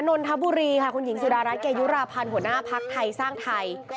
นนทบุรีค่ะคุณหญิงสุดารัฐเกยุราพันธ์หัวหน้าภักดิ์ไทยสร้างไทย